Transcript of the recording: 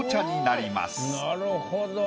なるほど。